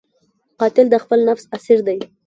قاتل د خپل نفس اسیر دی